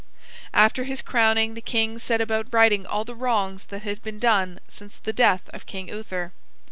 After his crowning the king set about righting all the wrongs that had been done since the death of King Uther.